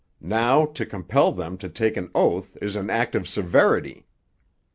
now to compel them to take an oath is an act of severity.'